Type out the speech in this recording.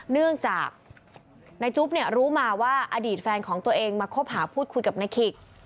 เนื่องจากนายจุ๊บเนี่ยรู้มาว่าอดีตแฟนของตัวเองมาคบหาพูดคุยกับนายขิก